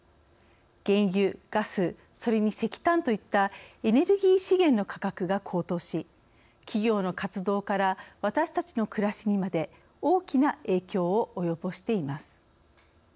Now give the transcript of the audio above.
原油ガスそれに石炭といったエネルギー資源の価格が高騰し企業の活動から私たちの暮らしにまで大きな影響を及ぼしています。